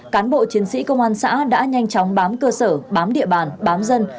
cán bộ chiến sĩ công an xã đã nhanh chóng bám cơ sở bám địa bàn bám dân